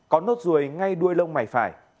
có nốt ruồi ngay đuôi lông mày phải